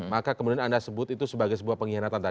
maka kemudian anda sebut itu sebagai sebuah pengkhianatan